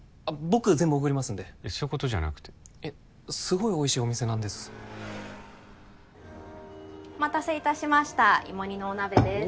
僕全部おごりますんでそういうことじゃなくてすごいおいしいお店なんです・お待たせいたしました芋煮のお鍋です